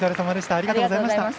ありがとうございます。